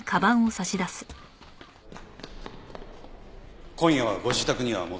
今夜はご自宅には戻れません。